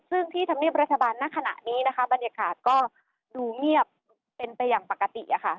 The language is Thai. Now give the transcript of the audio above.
ซึ่งที่ธรรมเนียบรัฐบาลณขณะนี้นะคะบรรยากาศก็ดูเงียบเป็นไปอย่างปกติ